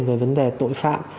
về vấn đề tội phạm